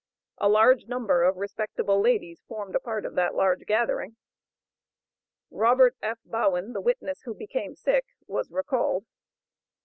A large number of respectable ladies formed a part of the large gathering. Robert F. Bowen, the witness, who became sick, was recalled.